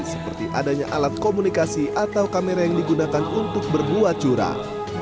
seperti adanya alat komunikasi atau kamera yang digunakan untuk berbuat curah